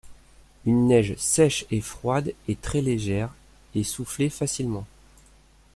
Une neige sèche et froide est très légère et soufflée facilement.